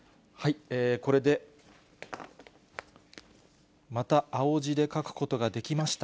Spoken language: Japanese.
これで、また青字で書くことができました。